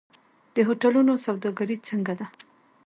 د هوټلونو سوداګري څنګه ده؟